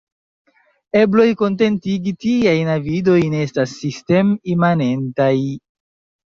Ebloj kontentigi tiajn avidojn estas sistem-imanentaj.